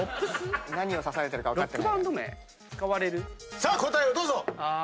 さあ答えをどうぞ！